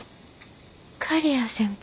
刈谷先輩？